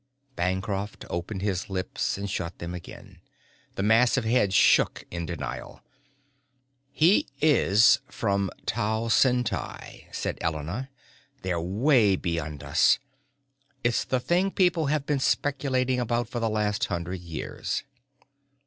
Bancroft opened his lips and shut them again. The massive head shook in denial. "He is from Tau Ceti," said Elena. "They're way beyond us. It's the thing people have been speculating about for the last hundred years."